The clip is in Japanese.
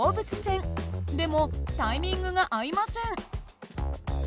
でもタイミングが合いません。